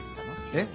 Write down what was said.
えっ？